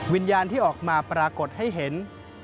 วิญญาณที่ออกมาปรากฏให้เห็น